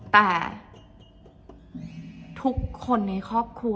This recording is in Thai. แต่ทุกคนในครอบครัว